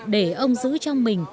để ông giữ trong mình